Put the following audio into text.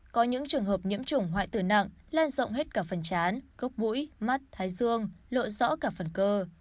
có những trường hợp nhiễm trùng hoại tử nặng lan rộng hết cả phần chán gốc bũi mắt thái dương lộ rõ cả phần cơ